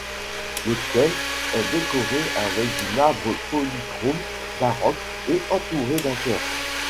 L'autel est décoré avec du marbre polychrome baroque et entouré d'un chœur.